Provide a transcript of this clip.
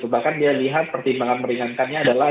bahkan dia lihat pertimbangan meringankannya adalah